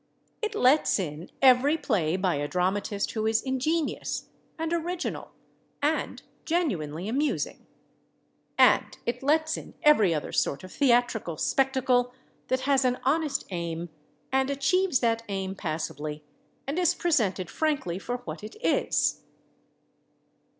It lets in every play by a dramatist who is ingenious, and original, and genuinely amusing. And it lets in every other sort of theatrical spectacle that has an honest aim, and achieves that aim passably, and is presented frankly for what it is.